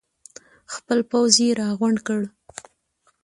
خپل پوځ یې راغونډ کړ.